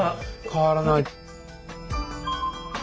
変わらない。